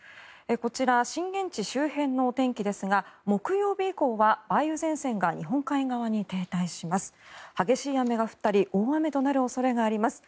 こちら、震源地周辺の天気ですが木曜日以降は梅雨前線が日本海側に停滞します。